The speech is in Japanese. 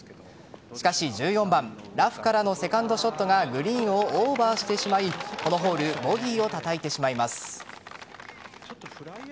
しかし１４番ラフからのセカンドショットがグリーンをオーバーしてしまいこのホールボギーをたたいてしまいます。